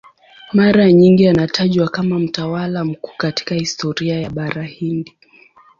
Mara nyingi anatajwa kama mtawala mkuu katika historia ya Bara Hindi.